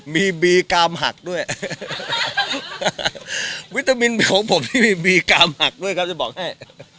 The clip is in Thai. มีบีกามหักด้วยวิตามินของผมนี่มีบีกามหักด้วยครับจะบอกให้